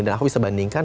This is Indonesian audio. dan aku bisa bandingkan